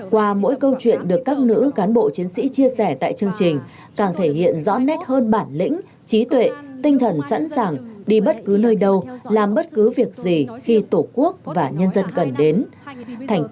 qua mỗi câu chuyện được các nữ cán bộ chiến sĩ chia sẻ tại chương trình càng thể hiện rõ nét hơn bản lĩnh trí tuệ tinh thần sẵn sàng đi bất cứ nơi đâu làm bất cứ việc gì khi tổ quốc và nhân dân cần đến